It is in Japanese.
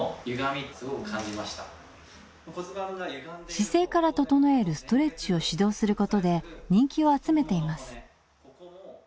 姿勢から整えるストレッチを指導することで人気を集めています。